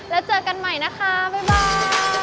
แล้วเจอกันใหม่นะคะบ่าย